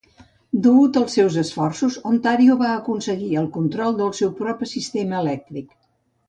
Degut als seus esforços, Ontario va aconseguir el control del seu propi sistema elèctric.